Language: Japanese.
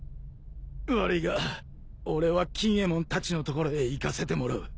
悪いが俺は錦えもんたちの所へ行かせてもらう。